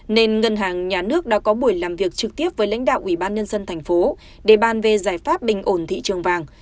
nên ngân hàng nhà nước đã có buổi làm việc trực tiếp với lãnh đạo ủy ban nhân dân thành phố để bàn về giải pháp bình ổn thị trường vàng